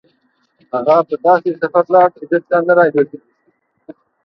هغه په داسې سفر لاړ چې بېرته نه راګرځي.